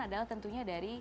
adalah tentunya dari